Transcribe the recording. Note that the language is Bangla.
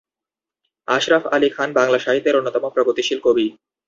আশরাফ আলি খান বাংলা সাহিত্যের অন্যতম প্রগতিশীল কবি।